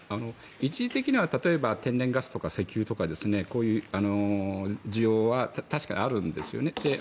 一時的には例えば天然ガスとか石油とかこういう需要は確かにあるんですよね。